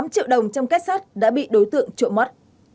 hai trăm một mươi tám triệu đồng trong két sắt đã bị đối tượng trộm mất